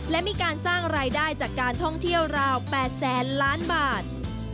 และมีการสร้างรายได้จากการท่องเที่ยวราว๘แสนล้านบาท